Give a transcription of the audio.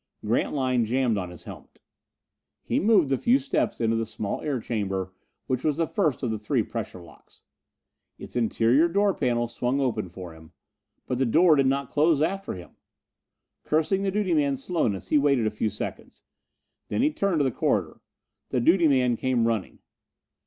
Grantline jammed on his helmet. He moved the few steps into the small air chamber which was the first of the three pressure locks. Its interior door panel swung open for him. But the door did not close after him! Cursing the duty man's slowness, he waited a few seconds. Then he turned to the corridor. The duty man came running.